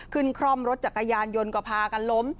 ขึ้นคร่อมรถจากกายานยนต์กระพากันล้ม